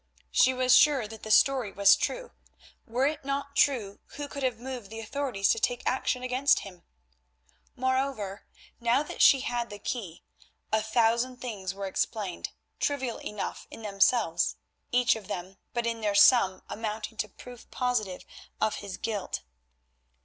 She was sure that the story was true; were it not true who could have moved the authorities to take action against him? Moreover, now that she had the key, a thousand things were explained, trivial enough in themselves, each of them, but in their sum amounting to proof positive of his guilt.